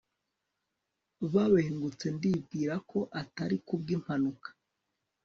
babengutse. ndibwira ko atari ku bw'impanuka